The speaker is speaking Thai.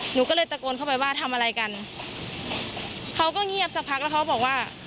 หนูก็เลยตะโกนเข้าไปว่าทำอะไรกันเขาก็เงียบสักพักแล้วเขาบอกว่า